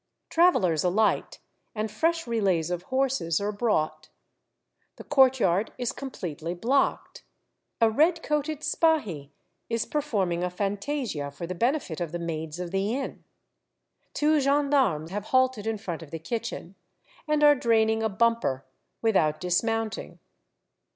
Travellers alight, and fresh relays of horses are brought. The courtyard is completely blocked. A red coated spahi is performing 2i fantasia for the benefit of the maids of the inn. Two gendarmes have halted in front of the kitchen, and are drain ing a bumper without dismounting.